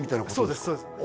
そうですそうです